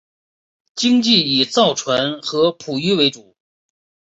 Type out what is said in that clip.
经济以造船和捕鱼为主。